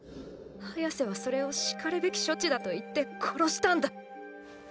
ハヤセはそれを然るべき処置だと言って殺したんだ。